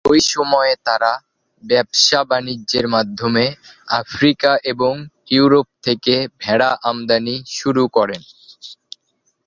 ঐ সময়ে তারা ব্যবসা বাণিজ্যের মাধ্যমে আফ্রিকা এবং ইউরোপ থেকে ভেড়া আমদানি শুরু করেন।